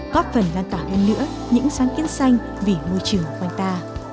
có phần lan tỏa hơn nữa những sáng kiến xanh vì môi trường quanh ta